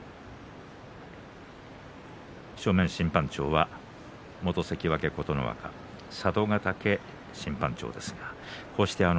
正面審判長は元関脇琴ノ若佐渡ヶ嶽審判部長です。